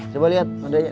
coba lihat mandanya